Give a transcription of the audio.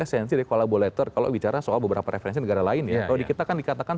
esensi dari collaborator kalau bicara soal beberapa referensi negara lain ya kalau di kita kan dikatakan